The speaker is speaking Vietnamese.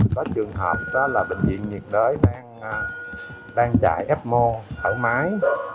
có trường hợp đó là bệnh viện nhiệt đới đang chạy ecmo thở máy